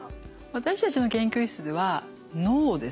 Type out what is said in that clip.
私たちの研究室では脳です。